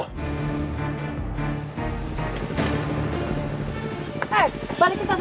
eh balikin tasnya